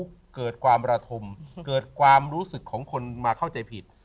เกิดความทุกข์เกิดความระธมเกิดความรู้สึกของคนมาเข้าใจผิด